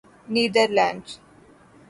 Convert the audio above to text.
neither lands